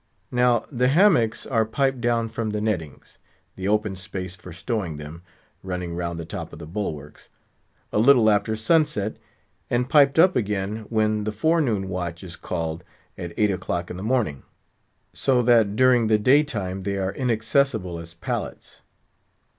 Now, the hammocks are piped down from the nettings (the open space for stowing them, running round the top of the bulwarks) a little after sunset, and piped up again when the forenoon watch is called, at eight o'clock in the morning; so that during the daytime they are inaccessible as pallets.